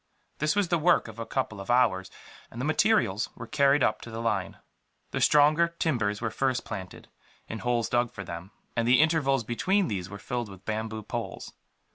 This was the work of a couple of hours, and the materials were carried up to the line. The stronger timbers were first planted, in holes dug for them; and the intervals between these were filled with bamboo poles.